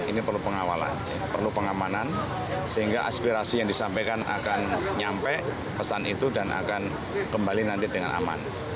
ini perlu pengawalan perlu pengamanan sehingga aspirasi yang disampaikan akan nyampe pesan itu dan akan kembali nanti dengan aman